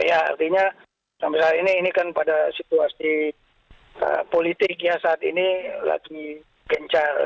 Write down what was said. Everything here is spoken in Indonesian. artinya sampai saat ini ini kan pada situasi politiknya saat ini lagi gencar